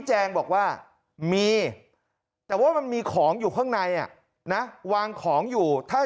แจงบอกว่ามีแต่ว่ามันมีของอยู่ข้างในอ่ะนะวางของอยู่ถ้า